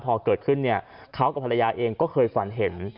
พอเกิดขึ้นเนี่ยเขากับภรรยาเองก็เคยฝันเห็น